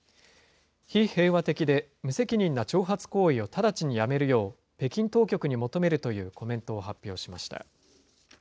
非平和的で無責任な挑発行為を直ちにやめるよう、北京当局に求めるというコメントを発表しました。